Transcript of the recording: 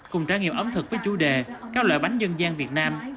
cùng trải nghiệm ẩm thực với chủ đề các loại bánh dân gian việt nam